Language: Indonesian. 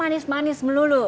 itu manis manis melulu